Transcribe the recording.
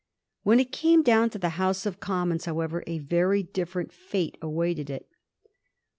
When it came down to the House of Commons, however, a very different fiate awaited it.